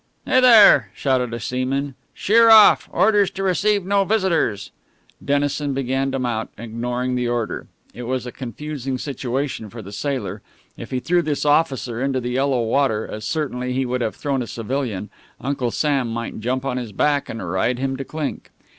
"Hey, there!" shouted a seaman. "Sheer off! Orders to receive no visitors!" Dennison began to mount, ignoring the order. It was a confusing situation for the sailor. If he threw this officer into the yellow water as certainly he would have thrown a civilian Uncle Sam might jump on his back and ride him to clink.